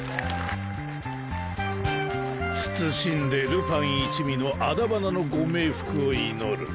謹んでルパン一味のあだ花のご冥福を祈る。